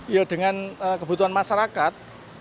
iya dengan kebutuhan masyarakat